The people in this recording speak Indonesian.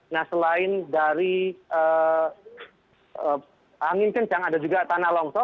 nah selain dari angin kencang ada juga tanah longsor